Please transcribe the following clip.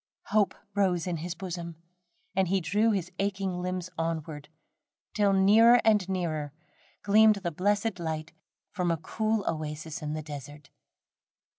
Hope rose in his bosom, and he drew his aching limbs onward, till nearer and nearer gleamed the blessed light from a cool oasis in the desert.